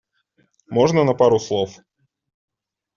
Можно на пару слов?